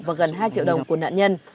và gần hai triệu đồng của nạn nhân